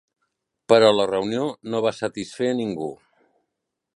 Però la reunió no va satisfer a ningú.